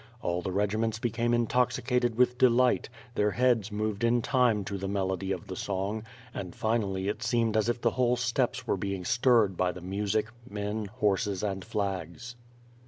All the regiments became intoxicated with delight; their heads moved in time to the melody of the song, amd finally it seemed as if the whole steppes were being stirred by the music, men, horses, and flags.